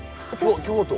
京都？